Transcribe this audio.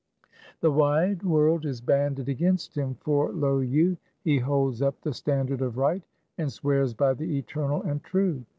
The wide world is banded against him; for lo you! he holds up the standard of Right, and swears by the Eternal and True!